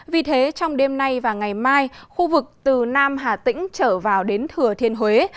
vì thế trong đêm nay và ngày mai khu vực từ nam hà tĩnh trở vào đến thừa thiên huế